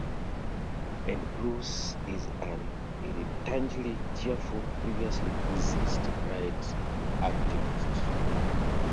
And Bruce is an irritatingly cheerful previously-deceased-rights activist.